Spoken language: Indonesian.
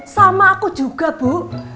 sama aku juga bu